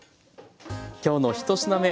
今日の１品目。